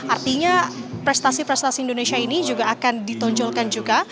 artinya prestasi prestasi indonesia ini juga akan ditonjolkan juga